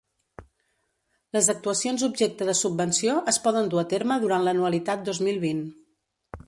Les actuacions objecte de subvenció es poden dur a terme durant l'anualitat dos mil vint.